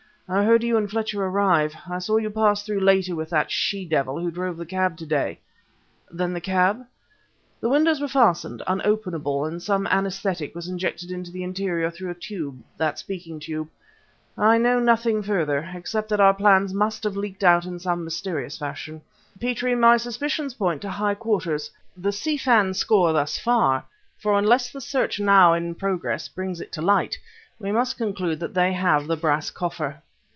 I heard you and Fletcher arrive. I saw you pass through later with that she devil who drove the cab to day ..." "Then the cab ..." "The windows were fastened, unopenable, and some anaesthetic was injected into the interior through a tube that speaking tube. I know nothing further, except that our plans must have leaked out in some mysterious fashion. Petrie, my suspicions point to high quarters. The Si Fan score thus far, for unless the search now in progress brings it to light, we must conclude that they have the brass coffer."